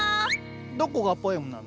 どこがポエムなの？